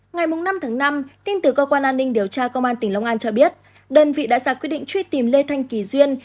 ngày năm tháng năm tin từ cơ quan an ninh điều tra công an tỉnh long an cho biết đơn vị đã ra quyết định truy tìm lê thanh kỳ duyên